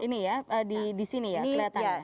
ini ya di sini ya kelihatannya